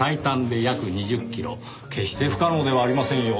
決して不可能ではありませんよ。